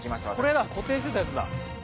これだ固定してたやつだ。